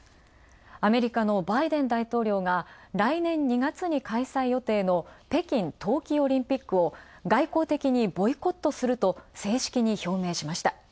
アメリカのバイデン大統領が来年２月に開催予定の北京冬季オリンピックを外交的にボイコットすると正式に表明しました。